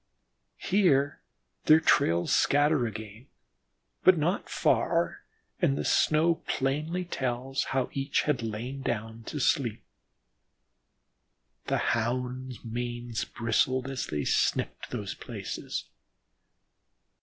Here their trails scatter again, but not far, and the snow tells plainly how each had lain down to sleep. The Hounds' manes bristled as they sniffed those places.